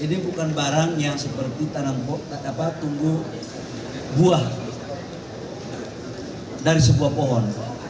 ini bukan barang yang seperti tanam pok apa tunggu buah dari sebuah pohon